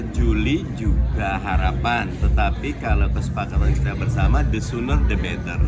dua juli juga harapan tetapi kalau kesepakatan kita bersama the sooner the better